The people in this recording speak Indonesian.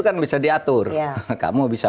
kan bisa diatur kamu bisa